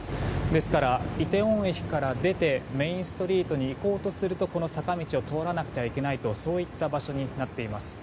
ですから、イテウォン駅から出てメインストリートに行こうとするとこの坂道を通らなくてはいけないという場所になっています。